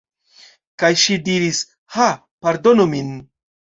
Kaj ŝi diris: "Ha, pardonu min."